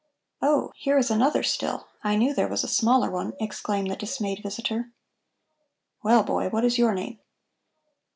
"Oh, here is another, still. I knew there was a smaller one," exclaimed the dismayed visitor. "Well, boy, what is your name?"